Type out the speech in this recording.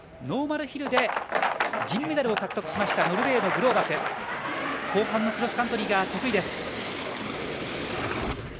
ノーマルヒルで銀メダルを獲得しましたノルウェーのグローバク。